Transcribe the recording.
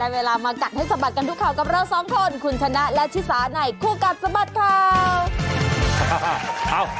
เวลามากัดให้สะบัดกันทุกข่าวกับเราสองคนคุณชนะและชิสาในคู่กัดสะบัดข่าว